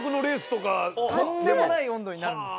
とんでもない温度になるんです。